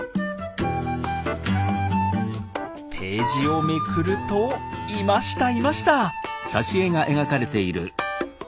ページをめくるといましたいました！